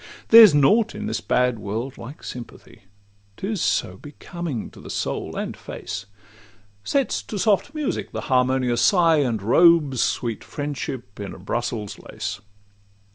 There's nought in this bad world like sympathy: 'Tis so becoming to the soul and face, Sets to soft music the harmonious sigh, And robes sweet friendship in a Brussels lace.